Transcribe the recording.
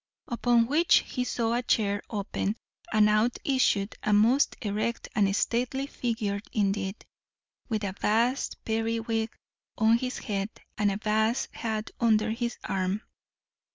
Upon which he saw a chair open, and out issued a most erect and stately figure indeed, with a vast periwig on his head, and a vast hat under his arm.